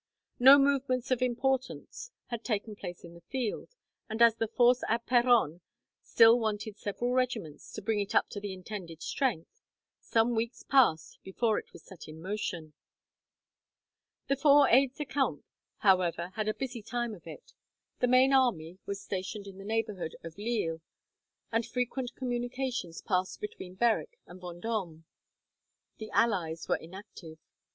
No movements of importance had taken place in the field, and as the force at Peronne still wanted several regiments, to bring it up to the intended strength, some weeks passed before it was set in motion. The four aides de camp, however, had a busy time of it. The main army was stationed in the neighbourhood of Lille, and frequent communications passed between Berwick and Vendome. The allies were inactive.